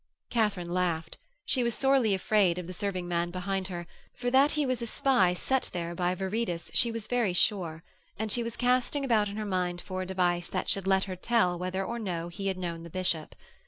Katharine laughed; she was sorely afraid of the serving man behind her, for that he was a spy set there by Viridus she was very sure, and she was casting about in her mind for a device that should let her tell whether or no he had known the bishop.